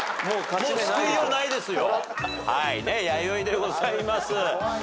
もう救いようないですよ。